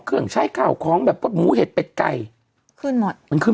เครื่องใช้ข่าวของแบบว่าหมูเห็ดเป็ดไก่ขึ้นหมดมันขึ้น